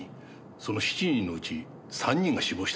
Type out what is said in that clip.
その７人のうち３人が死亡したんです。